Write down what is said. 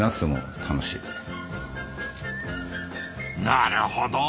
なるほど。